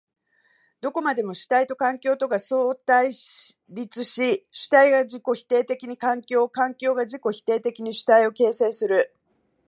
どこまでも主体と環境とが相対立し、主体が自己否定的に環境を、環境が自己否定的に主体を形成する。